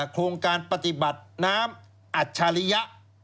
โครงการปฏิบัติน้ำอัจฉริยะ